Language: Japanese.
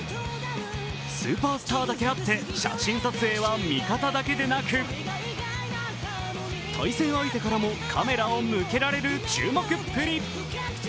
スーパースターだけあって、写真撮影は味方だけでなく、対戦相手からもカメラを向けられる注目っぷり。